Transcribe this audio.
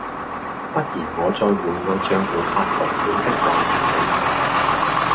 不然我再換個帳號發同樣的話給你看